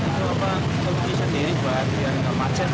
ini biar yang apa bisa diribat biar enggak macet